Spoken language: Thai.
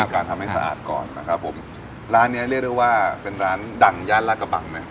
การทำให้สะอาดก่อนนะครับผมร้านเนี้ยเรียกได้ว่าเป็นร้านดังย่านลาดกระบังนะ